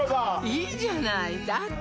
いいじゃないだって